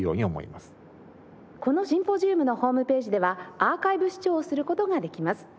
このシンポジウムのホームページではアーカイブ視聴をする事ができます。